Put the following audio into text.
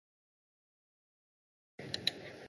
There is also the clothing-optional Coral Bay.